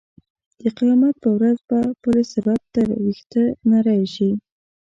د قیامت په ورځ به پل صراط تر وېښته نرۍ شي.